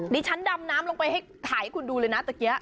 นี่ฉันดำน้ำลงไปขาให้คุณดูเลยนะตะเกี๊ย